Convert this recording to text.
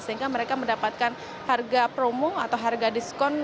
sehingga mereka mendapatkan harga promo atau harga diskon